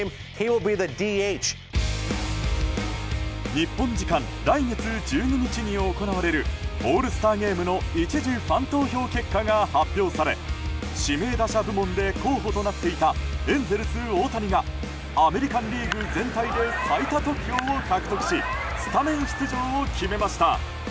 日本時間来月１２日に行われるオールスターゲームの１次ファン投票結果が発表され指名打者部門で候補となっていたエンゼルス、大谷がアメリカン・リーグ全体で最多得票を獲得しスタメン出場を決めました。